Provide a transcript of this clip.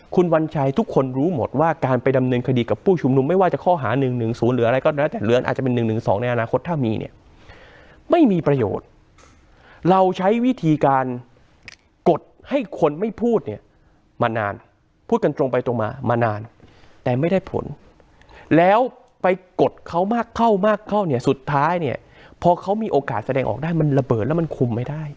คุณวัญชัยทุกคนรู้หมดว่าการไปดำเนินคดีกับผู้ชุมนุมไม่ว่าจะข้อหา๑๑๐หรืออะไรก็แล้วแต่เหลืออาจจะเป็น๑๑๒ในอนาคตถ้ามีเนี่ยไม่มีประโยชน์เราใช้วิธีการกดให้คนไม่พูดเนี่ยมานานพูดกันตรงไปตรงมามานานแต่ไม่ได้ผลแล้วไปกดเขามากเข้ามากเข้าเนี่ยสุดท้ายเนี่ยพอเขามีโอกาสแสดงออกได้มันระเบิดแล้วมันคุมไม่ได้